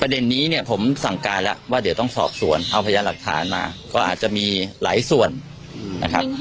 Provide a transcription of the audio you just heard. เด็นนี้เนี่ยผมสั่งการแล้วว่าเดี๋ยวต้องสอบสวนเอาพยานหลักฐานมาก็อาจจะมีหลายส่วนนะครับ